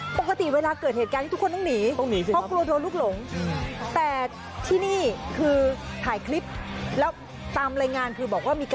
ปกติเวลาเกิดเหตุการณ์ที่ทุกคนต้องหนีสิ